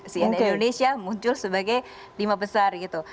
cnn indonesia muncul sebagai lima besar gitu